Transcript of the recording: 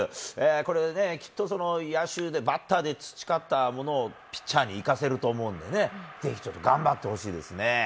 これで、きっと野手でバッターで培ったものをピッチャーに生かせると思うんでね、ぜひちょっと頑張ってほしいですね。